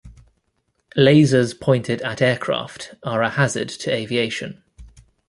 Lasers pointed at aircraft are a hazard to aviation.